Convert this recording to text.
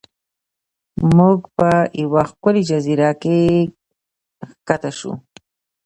موږ په یوه ښکلې جزیره کې ښکته شو.